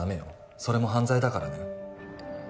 それも犯罪だからね